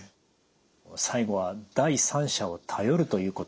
最後は第三者を頼るということ。